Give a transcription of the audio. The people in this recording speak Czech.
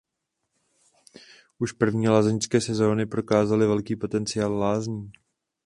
Už první lázeňské sezóny prokázaly velký potenciál lázní.